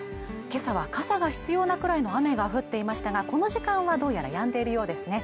今朝は傘が必要なくらいの雨が降っていましたがこの時間はどうやらやんでいるようですね